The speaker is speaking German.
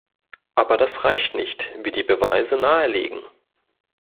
Aber das reicht nicht, wie die Beweise nahelegen.